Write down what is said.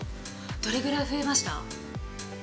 どれぐらい増えました？